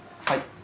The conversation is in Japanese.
はい。